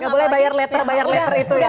gak boleh bayar letter letter itu ya